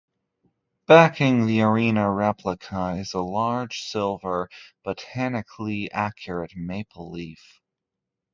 Backing the arena replica is a large silver botanically-accurate maple leaf.